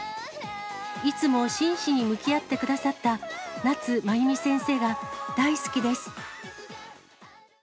いつも真摯に向き合ってくださった夏まゆみ先生が大好きです。